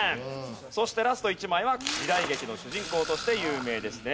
そしてラスト１枚は時代劇の主人公として有名ですね。